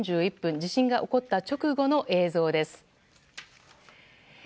地震が起こった直後の映像です。